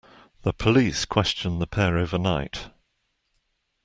The police questioned the pair overnight